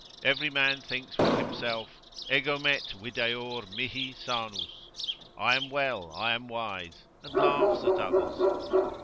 Every man thinks with himself, Egomet videor mihi sanus, I am well, I am wise, and laughs at others.